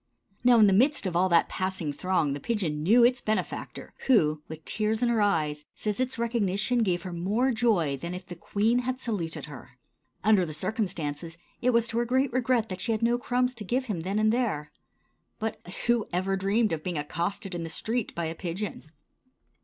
Now, in the midst of all that passing throng the pigeon knew its benefactor, who, with tears in her eyes, says its recognition gave her more joy than if the queen had saluted her. Under the circumstances, it was to her great regret that she had no crumbs to give him then and there. But who ever dreamed of being accosted in the street by a pigeon?